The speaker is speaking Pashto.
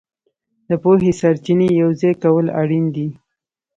د پوهې سرچینې یوځای کول اړین دي.